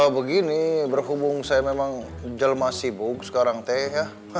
begini berhubung saya memang jelma sibuk sekarang teh ya